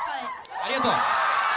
ありがとう。